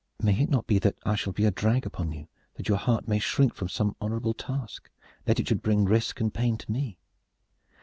May it not be that I shall be a drag upon you, that your heart may shrink from some honorable task, lest it should bring risk and pain to me?